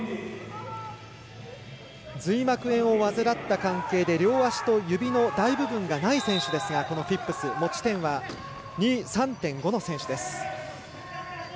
髄膜炎を患った関係で両足と指の大部分がない選手ですが、このフィップス持ち点は３．５の選手です。